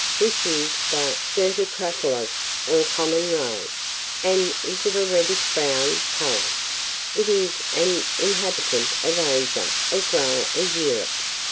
This is the Certuscapreolus, or common roe, and is of a reddish brown colour. It is an inhabitant of Asia, as well as of Europe.